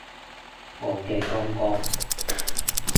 我嘅光哥